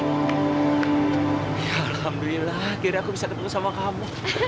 alhamdulillah akhirnya aku bisa ketemu sama kamu